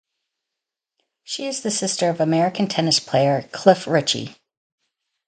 She is the sister of American tennis player Cliff Richey.